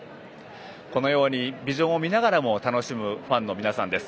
このようにビジョンを見ながらも楽しむ皆さんです。